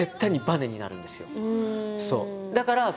そう。